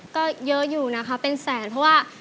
ก็เยอะอยู่นะคะเป็นแสนเพราะว่า